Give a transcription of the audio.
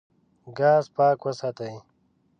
ګاز پاک وساتئ.